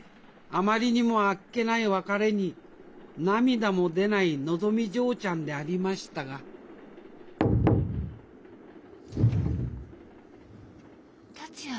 あまりにもあっけない別れに涙も出ないのぞみ嬢ちゃんでありましたが達也。